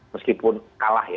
meskipun kalah ya